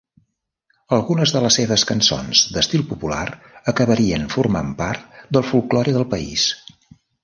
Algunes de les seves cançons d’estil popular acabarien formant part del folklore del país.